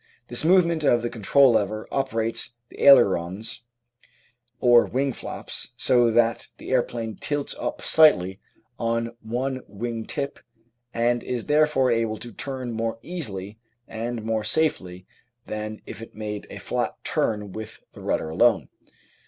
This movement of the control lever operates the ailerons or wing flaps, so that the aeroplane tilts up slightly on one wing tip, and is therefore able to turn more easily and more safely than if it made a flat turn with the rudder alone.